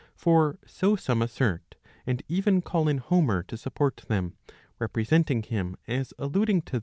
For so some assert, and even call in Homer to support them, representing him as alluding to.